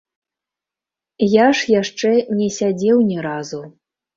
Я ж яшчэ не сядзеў ні разу.